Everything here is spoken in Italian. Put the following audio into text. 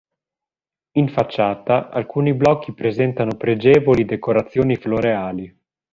In facciata, alcuni blocchi presentano pregevoli decorazioni floreali.